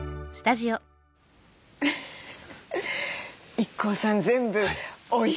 ＩＫＫＯさん全部おいしそう。